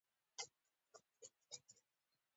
ما ورته وویل: نه، ما داسې کوم عمل نه دی کړی.